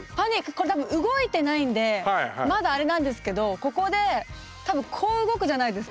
これ多分動いてないんでまだあれなんですけどここで多分こう動くじゃないですか。